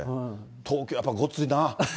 東京やっぱりごっついな。